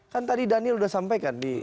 kan tadi daniel sudah sampaikan